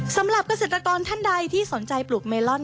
สำหรับเกษตรกรท่านใดที่สนใจปลูกเมลอน